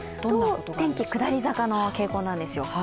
天気下り坂の傾向なんですよ。